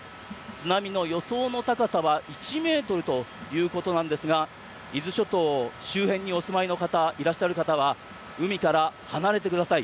津波の予想の高さは１ｍということなんですが伊豆諸島周辺にお住まいの方いらっしゃる方は海から離れてください。